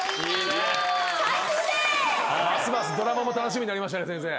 ますますドラマも楽しみになりましたね先生。